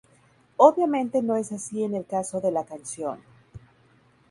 Obviamente no es así en el caso de la canción.